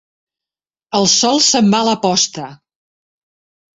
El sol se'n va a la posta.